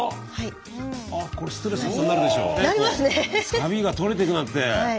サビが取れていくなんて。